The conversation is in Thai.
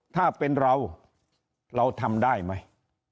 ถ้าเป็นเราเราทำได้ไหม